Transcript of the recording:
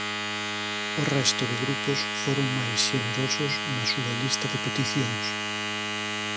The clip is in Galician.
O resto de grupos foron máis xenerosos na súa lista de peticións.